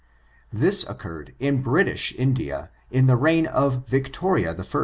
This occurred in British India, in the reign of Victoria I."